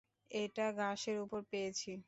এটা ঘাসের উপর পেয়েছি।